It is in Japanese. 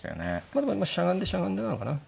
まあでもしゃがんでしゃがんでなのかな。